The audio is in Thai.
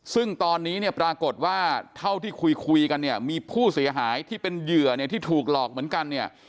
ซึ่งตอนนี้ปรากฏว่าเท่าที่คุยกันมีผู้เสียหายที่เป็นเหยื่อที่ถูกหลอกเหมือนกัน